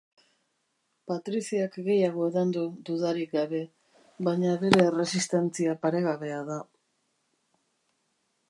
Patriciak gehiago edan du, dudarik gabe, baina bere erresistentzia paregabea da.